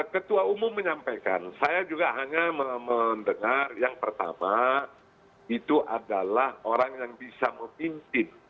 ketua umum menyampaikan saya juga hanya mendengar yang pertama itu adalah orang yang bisa memimpin